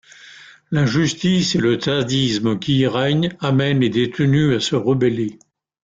L'injustice et le sadisme qui y règnent amènent les détenues à se rebeller.